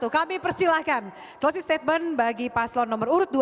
kami persilahkan closing statement bagi paslon nomor urut dua